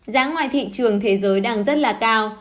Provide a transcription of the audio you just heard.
giá ngoài thị trường thế giới đang rất là cao